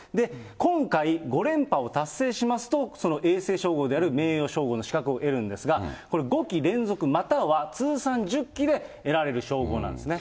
今回、５連覇を達成しますと、その永世称号である名誉称号の資格を得るんですが、５期連続または通算１０期で得られる称号なんですね。